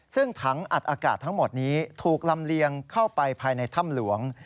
ซึ่งถังอัดอากาศทั้งหมดนี้ถูกลำเลียงเข้าไปภายในถ้ำหลวง